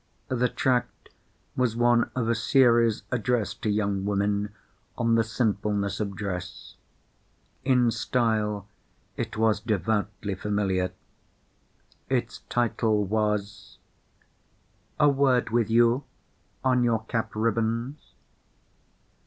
The tract was one of a series addressed to young women on the sinfulness of dress. In style it was devoutly familiar. Its title was, "A Word With You On Your Cap Ribbons."